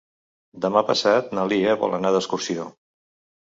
Demà passat na Lia vol anar d'excursió.